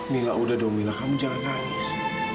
mila udah dong mila kamu jangan nangis